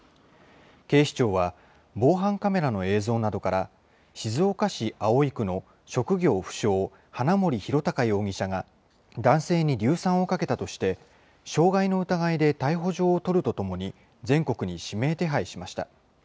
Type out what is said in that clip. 警視庁は防犯カメラの映像などから、静岡市葵区の職業不詳、花森弘卓容疑者が、男性に硫酸をかけたとして、傷害の疑いで逮捕状を取るとともに、全国に指名手配しました。